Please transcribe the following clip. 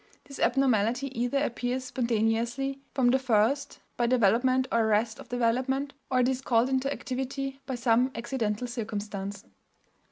This abnormality either appears spontaneously from the first, by development or arrest of development, or it is called into activity by some accidental circumstance.